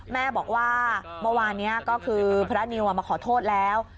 แม่บอกว่าเมื่อวานนี้ก็คือพระนิวมาขอโทษแล้ว